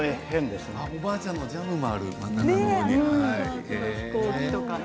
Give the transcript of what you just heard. おばあちゃんのジャムもある。